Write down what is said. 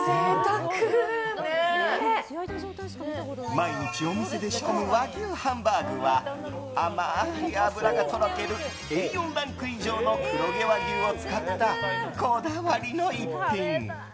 毎日お店で仕込む和牛ハンバーグは甘い脂がとろけるＡ４ランク以上の黒毛和牛を使ったこだわりの逸品。